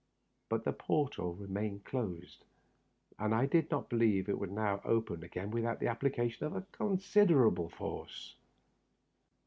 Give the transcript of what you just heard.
Bnt the port hole remained closed, and I did not believe it would now open agam without the application of a considerable force.